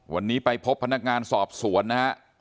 วันนี้ไปพบพนักงานสอบสวนนะฮะ